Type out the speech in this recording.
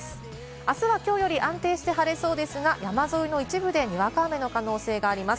あすはきょうより安定して晴れそうですが、山沿いの一部でにわか雨の可能性があります。